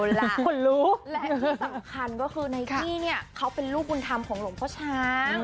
และที่สำคัญนะก็คือไนกี้เนี่ยเป็นลูกคุณคุณธรรมของลงพ่อช้าง